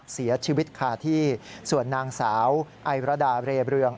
เสียชีวิตคาที่ส่วนนางสาวไอรดาเรเบลือง